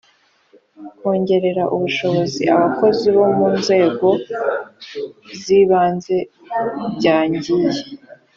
kongerera ubushobozi abakozi bo mu nzego zibanze byangiye